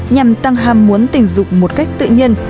nhằm tăng hàm muốn tình dục một cách tự nhiên